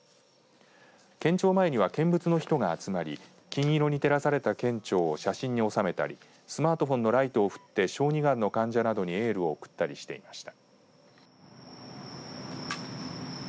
県庁前には見物の人が集まり金色に照らされた県庁を写真に収めたりスマートフォンのライトを振って小児がんの患者などにエールを送ったりしていました。